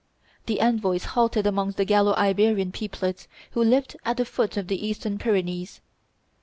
The envoys halted amongst the Gallo Iberian peoplets who lived at the foot of the eastern Pyrenees.